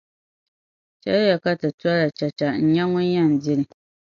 chɛliya ka ti tola tɛte n-nya ŋun yɛn di li.